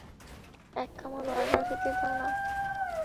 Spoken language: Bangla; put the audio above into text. এক কামড় বার্গার খেতে দাও না?